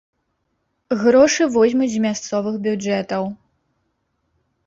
Грошы возьмуць з мясцовых бюджэтаў.